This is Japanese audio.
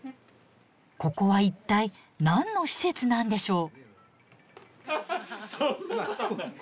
ここは一体何の施設なんでしょう。